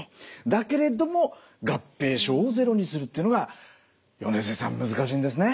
だけれども合併症をゼロにするっていうのが米瀬さん難しいんですね。